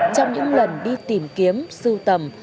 trong những lần đi tìm kiếm sưu tầm